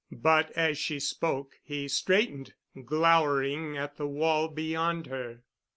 But as she spoke, he straightened, glowering at the wall beyond her.